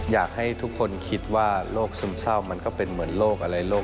อยากให้ทุกคนคิดว่าโรคซึมเศร้ามันก็เป็นเหมือนโรคอะไรโรค